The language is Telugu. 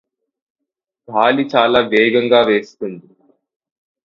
గాలి చాలా వేగంగా వీస్తోంది.